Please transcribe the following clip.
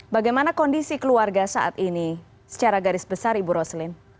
bagaimana kondisi keluarga saat ini secara garis besar ibu roslin